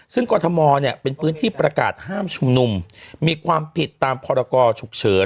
ซึ่งกรทมเนี่ยเป็นพื้นที่ประกาศห้ามชุมนุมมีความผิดตามพรกรฉุกเฉิน